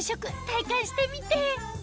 体感してみて！